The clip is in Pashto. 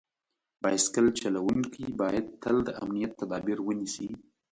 بایسکل چلونکي باید تل د امنیت تدابیر ونیسي.